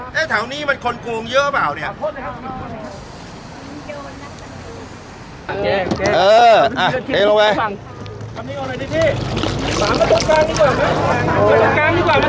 ถ้าเท่านี้มันคนกรูงเยอะหรือเปล่า